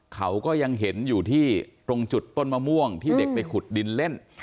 เขาก็ยังเห็นอยู่ที่ตรงจุดต้นมะม่วงที่เด็กไปขุดดินเล่น